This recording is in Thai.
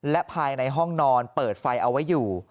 และภายในห้องนอนเปิดไฟเอาไว้อยู่